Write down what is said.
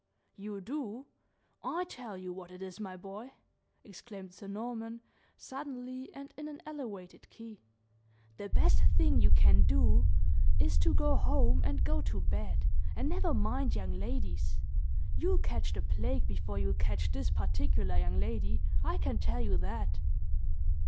"You do? I tell you what it is, my boy," exclaimed Sir Norman, suddenly and in an elevated key, "the best thing you can do is, to go home and go to bed, and never mind young ladies. You'll catch the plague before you'll catch this particular young lady I can tell you that!"